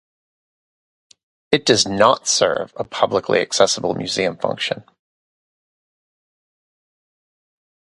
It does not serve a publicly accessible museum function.